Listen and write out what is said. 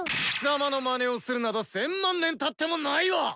貴様のマネをするなど千万年たってもないわ！